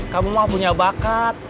kamu mah punya bakat